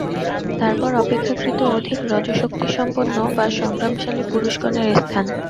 তারপর অপেক্ষাকৃত অধিক রজঃশক্তিসম্পন্ন বা সংগ্রামশীল পুরুষগণের স্থান।